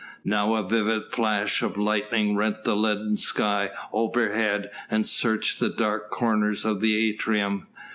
Now a vivid flash of lightning rent the leaden sky overhead and searched the dark corners of the atrium.